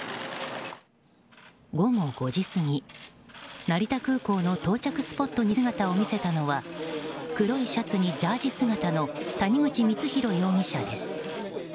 午後５時過ぎ成田空港の到着スポットに姿を見せたのは黒いシャツにジャージー姿の谷口光弘容疑者です。